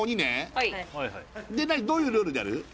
どういうルールでやる？